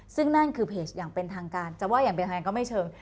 ซึ่งนั่นคือเพจอย่างเป็นทางการจะว่าอย่างเป็นทางก็ไม่เชิง